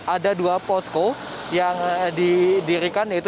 ada dua posko yang didirikan